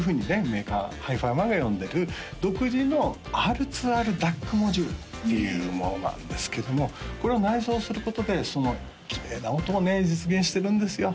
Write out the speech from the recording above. メーカーＨＩＦＩＭＡＮが呼んでる独自のＲ２ＲＤＡＣモジュールっていうものなんですけどもこれを内蔵することできれいな音を実現してるんですよ